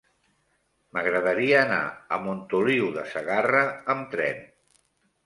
M'agradaria anar a Montoliu de Segarra amb tren.